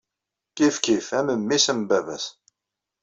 Kifkif, am mmi-s am baba-s.